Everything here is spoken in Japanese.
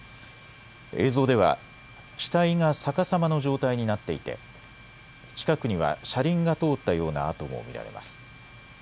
映像では機体が逆さまの状態になっていて近くには車輪が通ったような跡も見られます。